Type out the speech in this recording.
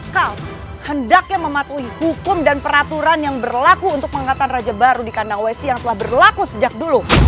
kau hendaknya mematuhi hukum dan peraturan yang berlaku untuk pengangkatan raja baru di kandang wesi yang telah berlaku sejak dulu